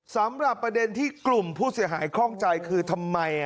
สำหรับประเด็นที่กลุ่มผู้เสียหายคล่องใจคือทำไม